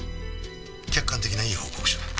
客観的ないい報告書だ。